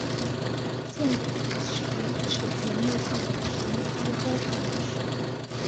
现时此节目是维持每周播放一次。